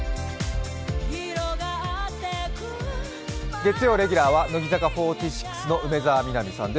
月曜レギュラーは乃木坂４６の梅澤美波さんです。